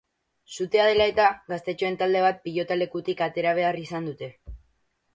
Sutea dela eta, gaztetxoen talde bat pilotalekutik atera behar izan dute.